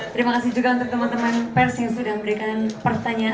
terima kasih juga untuk teman teman pers yang sudah memberikan pertanyaan